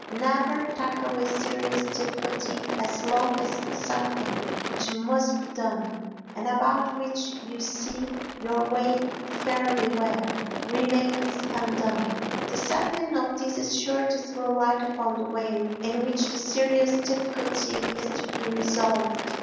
Never tackle a serious difficulty as long as something which must be done, and about which you see your way fairly well, remains undone; the settling of this is sure to throw light upon the way in which the serious difficulty is to be resolved.